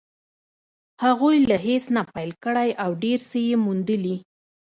هغوی له هېڅ نه پيل کړی او ډېر څه يې موندلي.